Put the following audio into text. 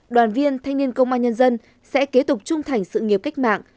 đoàn viên thanh niên công an nhân dân sẽ kế tục trung thành sự nghiệp cách mạng